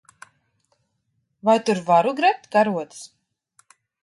Vai tur varu grebt karotes?